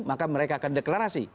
maka mereka akan deklarasi